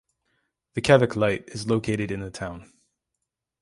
The Kevich Light is located in the town.